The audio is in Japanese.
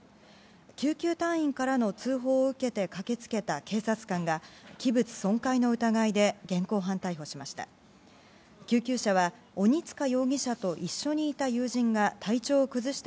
救急隊員からの通報を受けて駆け付けた警察官が器物損壊の疑いで現行犯逮捕しました。